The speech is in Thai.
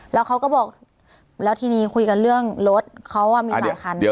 แล้วเขาก็บอกแล้วทีนี้คุยกันเรื่องรถเขามีหลายคัน